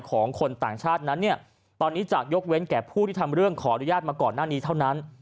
ของคนต่างชาตินั้นเนี่ยตอนนี้จะยกเว้นแก่ผู้ที่ทำเรื่องขออนุญาตมาก่อนหน้านี้เท่านั้น